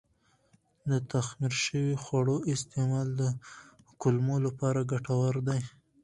د تخمیر شوي خواړو استعمال د کولمو لپاره ګټور دی.